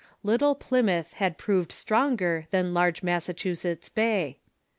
Little Plymouth had proved stronger than large Massachusetts Bay.